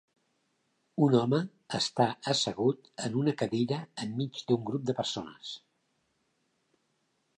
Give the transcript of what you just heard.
Un home està assegut en una cadira enmig d'un grup de persones.